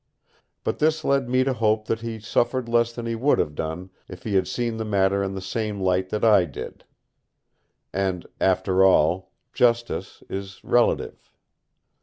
But this led me to hope that he suffered less than he would have done if he had seen the matter in the same light that I did. And, after all, justice is relative.